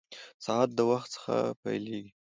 ساعت د وخت څخه پېلېږي.